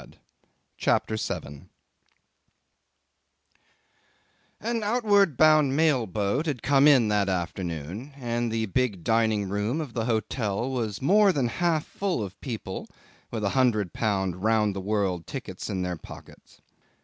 CHAPTER 7 'An outward bound mail boat had come in that afternoon, and the big dining room of the hotel was more than half full of people with a hundred pounds round the world tickets in their pockets.